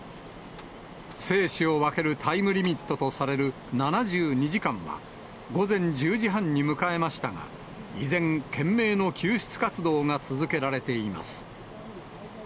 生死を分けるタイムリミットとされる７２時間は、午前１０時半に迎えましたが、依然、懸命の救出活動が続けられています。